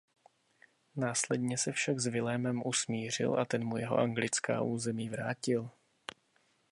Následně se však s Vilémem usmířil a ten mu jeho anglická území vrátil.